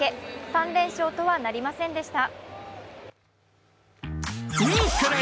３連勝とはなりませんでした。